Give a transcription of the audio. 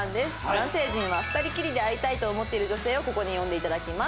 男性陣は２人きりで会いたいと思っている女性をここに呼んでいただきます。